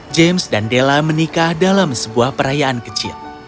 james dan della menikah dalam sebuah perayaan kecil